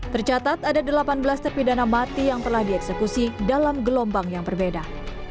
tercatat ada delapan belas terpidana mati yang telah dieksekusi dalam gelombang yang berbeda